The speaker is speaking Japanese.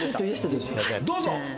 どうぞ！